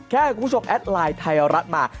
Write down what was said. แค่ให้คุณผู้ชมแอดไลน์ไทยรัฐมา